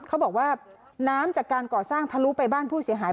เขาบอกว่าน้ำจากการก่อสร้างทะลุไปบ้านผู้เสียหาย